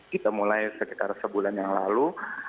kita mulai sekitar sebulan yang lalu